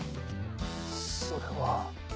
それは。